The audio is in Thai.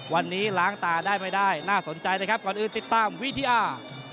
วันนี้ล้างตาได้ไม่ได้น่าสนใจนะครับก่อนอื่นติดตามวิทยา